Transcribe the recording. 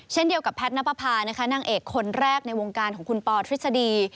เช่นเดียวกับแพทย์นับประพานะคะนางเอกคนแรกในวงการของคุณปอทฤษฎี